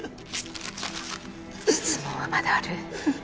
質問はまだある。